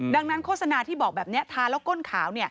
ดังนั้นโฆษณาที่บอกแบบนี้ทาแล้วก้นขาว